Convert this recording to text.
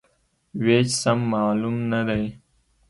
وېش سم معلوم نه دی.